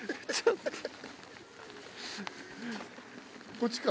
こっちか？